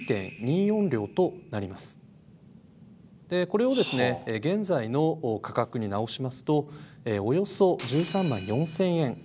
これをですね現在の価格に直しますとおよそ１３万４，０００円。